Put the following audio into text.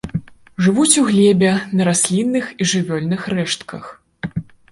Жывуць у глебе, на раслінных і жывёльных рэштках.